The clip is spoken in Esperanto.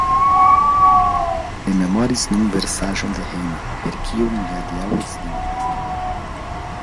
Jes; mi rememoris nun versaĵon de Heine, per kiu mi adiaŭos vin.